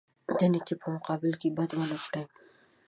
د نیکۍ په مقابل کې بد ونه کړي.